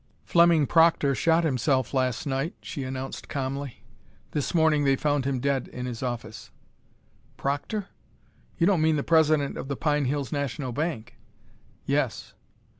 "Fleming Proctor shot himself last night," she announced, calmly. "This morning they found him dead in his office." "Proctor? You don't mean the president of the Pine Hills National Bank?" "Yes."